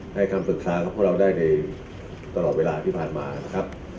ให้คำศึกษาพวกเราได้ในตลอดเวลาที่ผ่านมา